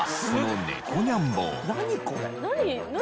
何？